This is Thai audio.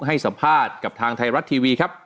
ให้สัมภาษณ์กับทางไทยรัฐทีวีครับ